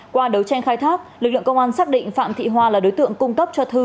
qua đấu tranh khai thác lực lượng công an xác định phạm thị hoa là đối tượng cung cấp cho thư